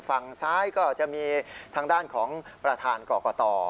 ฝั่งซ้ายก็จะมีทางด้านของประธานกรกต